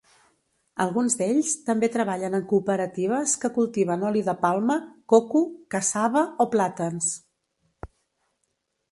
Alguns d'ells també treballen en cooperatives que cultiven oli de palma, coco, cassava o plàtans.